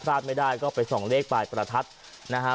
ไม่ได้ก็ไปส่องเลขปลายประทัดนะฮะ